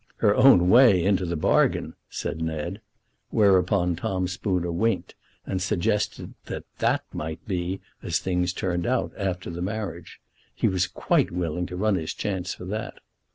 "Her own way into the bargain," said Ned. Whereupon Tom Spooner winked, and suggested that that might be as things turned out after the marriage. He was quite willing to run his chance for that.